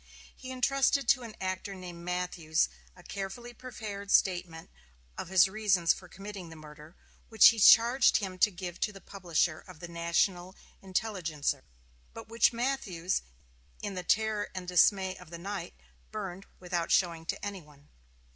He intrusted to an actor named Matthews a carefully prepared statement of his reasons for committing the murder, which he charged him to give to the publisher of the "National Intelligencer," but which Matthews, in the terror and dismay of the night, burned without showing to any one.